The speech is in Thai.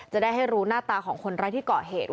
จะได้ให้รู้หน้าตาของคนร้ายที่เกาะเหตุว่า